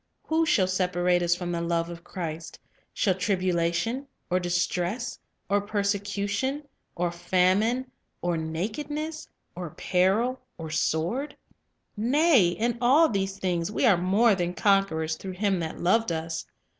"Who shall separate us from the love of Christ? shall tribulation, or distress, or persecution, or famine, or nakedness, or peril, or sword? ... Nay, in all these things we are more than conquerors through Him that loved us.